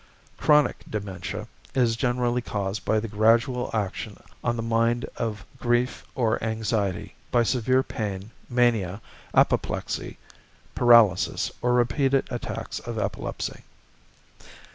=Chronic Dementia= is generally caused by the gradual action on the mind of grief or anxiety, by severe pain, mania, apoplexy, paralysis, or repeated attacks of epilepsy.